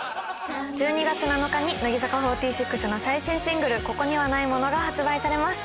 １２月７日に乃木坂４６の最新シングル『ここにはないもの』が発売されます。